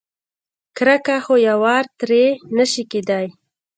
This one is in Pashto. کرکه خو یوار ترې نشي کېدای.